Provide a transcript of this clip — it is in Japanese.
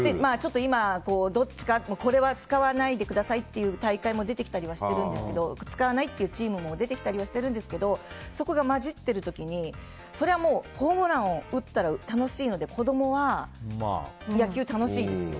今、これは使わないでくださいっていう大会も出てきたりはしているんですけど使わないっていうチームも出てきたりはしているんですがそこが交じっている時にホームランを打ったら楽しいので子供は野球楽しいですよ。